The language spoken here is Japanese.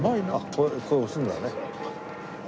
これこれ押すんだね。